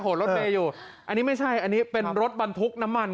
รถเมย์อยู่อันนี้ไม่ใช่อันนี้เป็นรถบรรทุกน้ำมัน